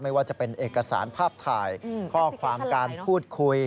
ไม่ว่าจะเป็นเอกสารภาพถ่ายข้อความการพูดคุย